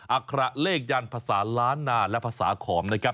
อัคระเลขยันภาษาล้านนาและภาษาขอมนะครับ